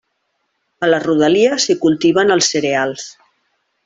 A la rodalia s'hi cultiven els cereals.